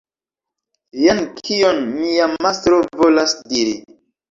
Jen kion mia mastro volas diri.